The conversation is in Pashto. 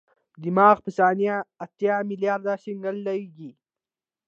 دماغ په ثانیه اتیا ملیارده سیګنال لېږي.